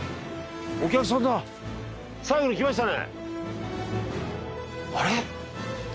お客さんだ最後に来ましたね。